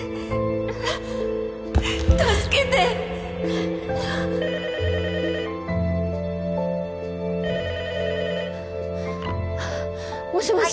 助けて！もしもし。